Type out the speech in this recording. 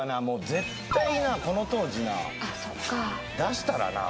絶対なこの当時なそっか出したらな